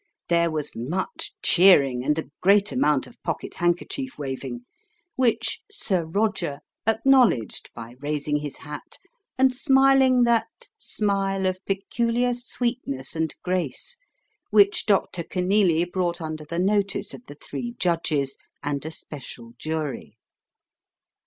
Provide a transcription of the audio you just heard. There was much cheering and a great amount of pocket handkerchief waving, which "Sir Roger" acknowledged by raising his hat and smiling that "smile of peculiar sweetness and grace" which Dr. Kenealy brought under the notice of the three judges and a special jury.